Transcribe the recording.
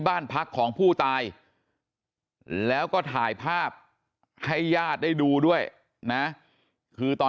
บ้านพักของผู้ตายแล้วก็ถ่ายภาพให้ญาติได้ดูด้วยนะคือตอน